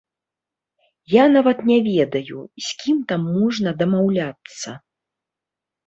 Я нават не ведаю,з кім там можна дамаўляцца.